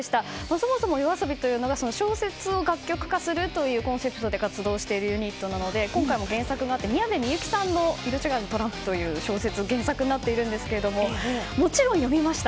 そもそもＹＯＡＳＯＢＩは小説を楽曲化するというコンセプトで活動しているユニットなので今回も原作があって宮部みゆきさんの「色違いのトランプ」という小説が原作になっているんですけどもちろん読みました。